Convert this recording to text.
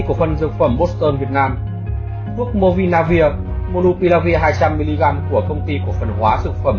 cổ phân dược phẩm boston việt nam thuốc movinavir monopilavir hai trăm linh mg của công ty cổ phân hóa dược phẩm